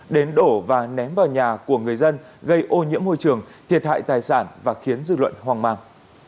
đến đổ và ném vào nhà của người dân gây ô nhiễm môi trường thiệt hại tài sản và khiến dư luận hoang mang